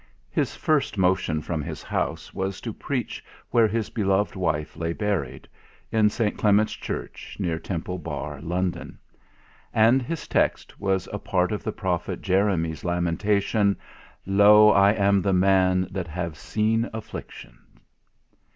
His first motion from his house was to preach where his beloved wife lay buried in St. Clement's Church, near Temple Bar, London; and his text was a part of the Prophet Jeremy's Lamentation: "Lo, I am the man that have seen affliction."